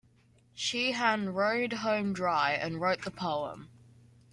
Sheahan rode home dry and wrote the poem.